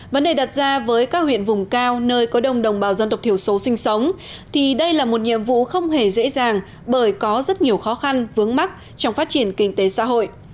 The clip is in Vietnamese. vấn đề đặt ra với các huyện vùng cao nơi có đông đồng bào dân tộc thiểu số sinh sống thì đây là một nhiệm vụ không hề dễ dàng bởi có rất nhiều khó khăn vướng mắt trong phát triển kinh tế xã hội